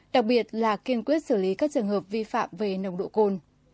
đặc biệt là kiên quyết xử lý các trường hợp vi phạm về nồng độ cồn